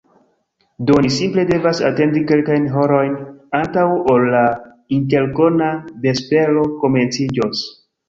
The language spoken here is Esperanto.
Do, ni simple devas atendi kelkajn horojn antaŭ ol la interkona vespero komenciĝos